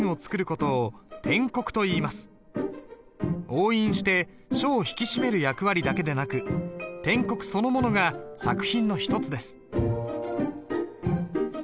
押印して書を引き締める役割だけでなく篆刻そのものが作品の一つです。